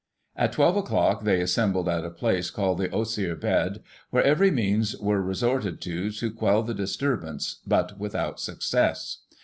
At 12 o'clock, they assembled at a place called the Osier Bed, where every means were resorted to, to quell the disturbance, but without suc cess.